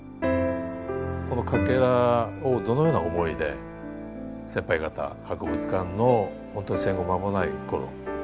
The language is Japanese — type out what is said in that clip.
このかけらをどのような思いで先輩方博物館のほんとに戦後間もないころ